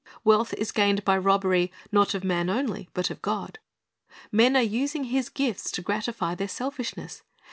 Wealth is gained by robbery, not of man only, but of God. Men are using His gifts to gratify their selfishness.